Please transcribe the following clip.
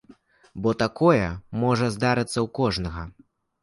Бо такое можа здарыцца ў кожнага.